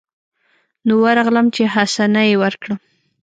نو ورغلم چې حسنه يې ورکړم.